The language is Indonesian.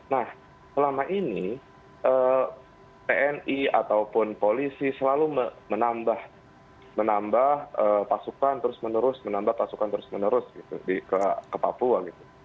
nah selama ini tni ataupun polisi selalu menambah pasukan terus menerus menambah pasukan terus menerus gitu ke papua gitu